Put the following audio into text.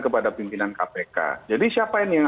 kepada pimpinan kpk jadi siapa ini yang